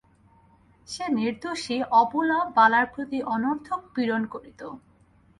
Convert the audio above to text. সে নির্দোষী অবলা বালার প্রতি অনর্থক পীড়ন করিত।